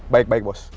baik baik bos